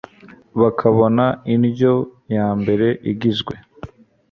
bakabona indyo ya mbere igizwe